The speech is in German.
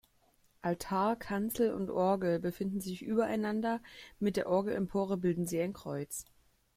Altar, Kanzel und Orgel befinden sich übereinander, mit der Orgelempore bilden sie ein Kreuz.